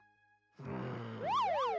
うん。